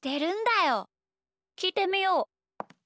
きいてみよう。